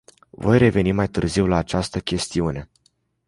Voi reveni mai târziu la această chestiune.